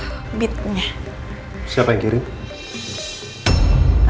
tidak ada apa apa